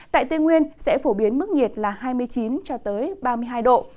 tại tây nguyên sẽ phổ biến mức nhiệt là hai mươi chín cho tới ba mươi hai độ